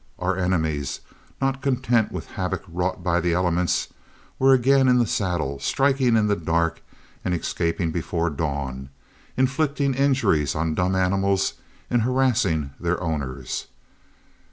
Our enemies, not content with havoc wrought by the elements, were again in the saddle, striking in the dark and escaping before dawn, inflicting injuries on dumb animals in harassing their owners.